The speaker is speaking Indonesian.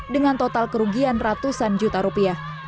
dengan total kerugian ratusan juta rupiah